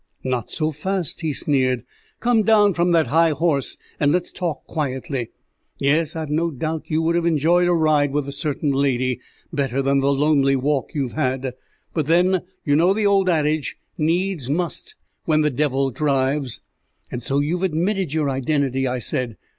"Not so fast," he sneered. "Come down from that high horse and let's talk quietly. Yes, I've no doubt you would have enjoyed a ride with a certain lady better than the lonely walk you have had; but, then, you know the old adage, 'Needs must when the devil drives.'" "And so you've admitted your identity!" I said.